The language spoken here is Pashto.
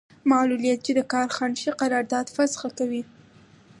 معلولیت چې د کار خنډ شي قرارداد فسخه کوي.